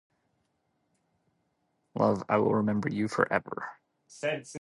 Love, I will remember you forever.